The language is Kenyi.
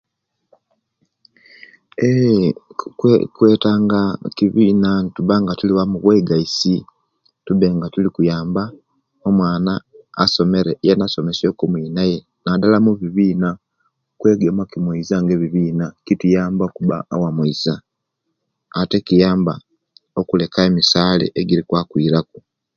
Eee kwetanga kibina nitubanga tuli wamu obwegaisi tube nga tuli kuyamba asomere yena asomesye ku omwinaye nadala mubibina okwegema ekimweza nga ekibina kutuyamba okuba awamweza ate kiyamba okulekawo emisale egikwakwira ku